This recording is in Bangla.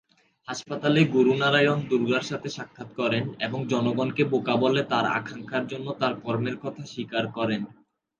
হাসপাতালে গুরু নারায়ণ দুর্গার সাথে সাক্ষাত করেন এবং জনগণকে বোকা বলে তার আকাঙ্ক্ষার জন্য তার কর্মের কথা স্বীকার করেন।